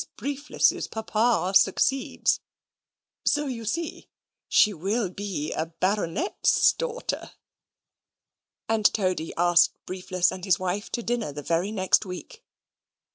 Briefless's papa succeeds; so you see she will be a baronet's daughter." And Toady asked Briefless and his wife to dinner the very next week.